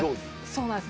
そうなんです